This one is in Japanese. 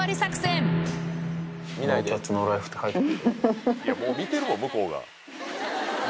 もう見てるもん向こうが。